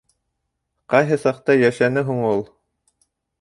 Ҡайһы саҡта йәшәне һуң ул?